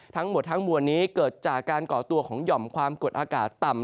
ทั้งหมดทั้งมวลนี้เกิดจากการก่อตัวของหย่อมความกดอากาศต่ำ